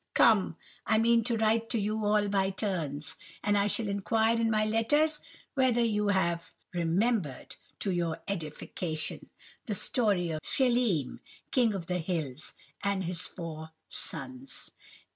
Come, I mean to write to you all by turns, and I shall inquire in my letters whether you have remembered, to your edification, the story of Schelim, King of the Hills, and his four sons."